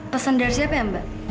pesan dari siapa ya mbak